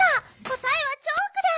こたえはチョークだ！